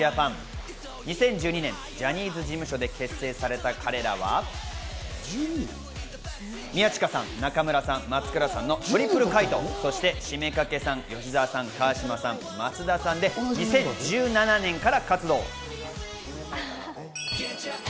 ２０１２年、ジャニーズ事務所で結成された彼らは、宮近さん、中村さん、松倉さんのトリプルカイト、そして七五三掛さん、吉澤さん、川島さん、松田さんで２０１７年から活動。